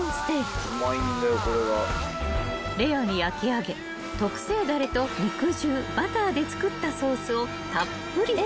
［レアに焼き上げ特製だれと肉汁バターで作ったソースをたっぷりと］